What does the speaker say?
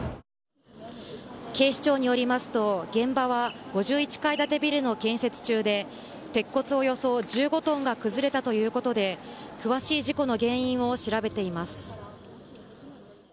警視庁によりますと、現場は５１階建てビルの建設中で、鉄骨およそ１５トンが崩れたということで、詳しい事故の原因を調べています。